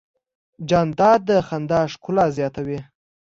جانداد د خندا ښکلا زیاتوي.